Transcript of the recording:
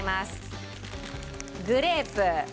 グレープ。